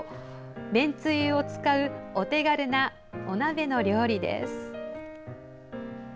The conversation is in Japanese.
めんつゆを使うお手軽なお鍋の料理です。